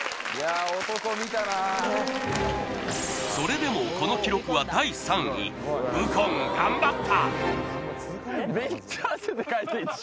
それでもこの記録は第３位右近頑張った！